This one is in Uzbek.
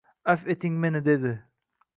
Afv eting meni... — dedi. —